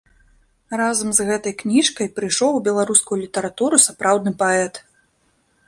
Разам з гэтай кніжкай прыйшоў у беларускую літаратуру сапраўдны паэт.